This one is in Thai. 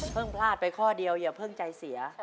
พลาดไปข้อเดียวอย่าเพิ่งใจเสีย